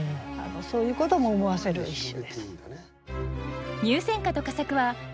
そういうことも思わせる一首です。